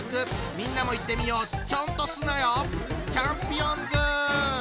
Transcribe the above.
みんなも言ってみよう「ちょんとすなよ」！